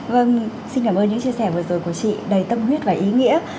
vâng xin cảm ơn những chia sẻ vừa rồi của chị đầy tâm huyết và ý nghĩa